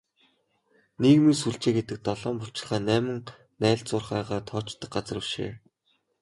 Нийгмийн сүлжээ гэдэг долоон булчирхай, найман найлзуурхайгаа тоочдог газар биш ээ.